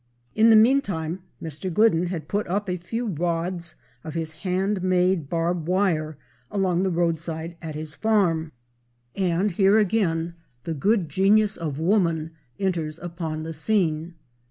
In the meantime Mr. Glidden had put up a few rods of his hand made barb wire along the roadside at his farm. And here again the good genius of woman enters upon the scene.